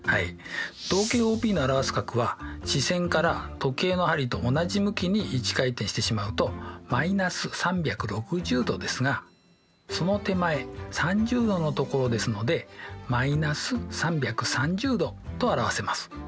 動径ＯＰの表す角は始線から時計の針と同じ向きに１回転してしまうと−３６０°ですがその手前３０°の所ですので−３３０°と表せます。